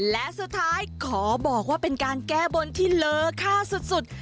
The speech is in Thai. และสุดท้ายขอบอกว่าเป็นการแก้บนที่เลอค่าสุด